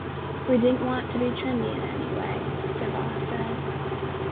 "We didn't want to be trendy in any way", DeVos said.